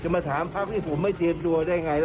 จะมาถามภาพที่ผมได้เตรียมตัวได้ไงรึ